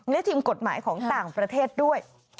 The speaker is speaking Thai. และทีมกฎหมายของต่างประเทศด้วย